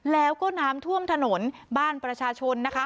แล้วก็น้ำท่วมถนนบ้านประชาชนนะคะ